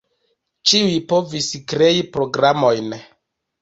Ĉiuj povis krei programojn.